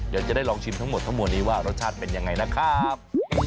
เดี๋ยวจะได้ลองชิมทั้งหมดทั้งมวลนี้ว่ารสชาติเป็นยังไงนะครับ